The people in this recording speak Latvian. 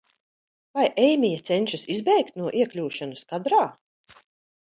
Vai Eimija cenšas izbēgt no iekļūšanas kadrā?